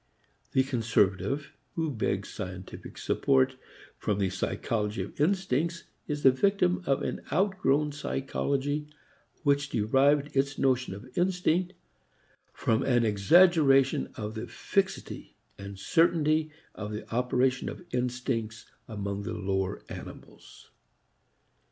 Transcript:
The conservative who begs scientific support from the psychology of instincts is the victim of an outgrown psychology which derived its notion of instinct from an exaggeration of the fixity and certainty of the operation of instincts among the lower animals.